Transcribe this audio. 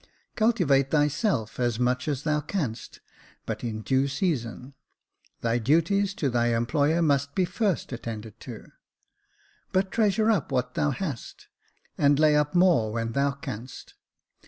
Cultivate thyself as much as thou canst, but in due season — thy duties to thy employer must be first attended to — but treasure up what thou hast, and lay up more when thou canst.